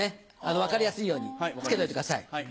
分かりやすいように付けておいてください。